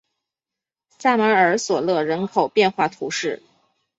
萨马尔索勒人口变化图示